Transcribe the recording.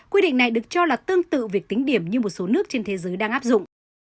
quy định này được cho là tương tự việc tính điểm như một số nước trên thế giới đang áp dụng